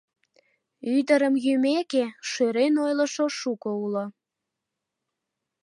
Ӱдырым йӱмеке, шӧрен ойлышо шуко уло.